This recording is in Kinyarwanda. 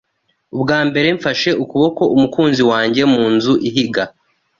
Ubwa mbere mfashe ukuboko umukunzi wanjye mu nzu ihiga.